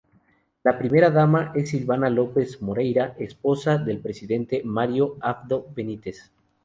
La Primera dama es Silvana López Moreira, esposa del presidente Mario Abdo Benítez.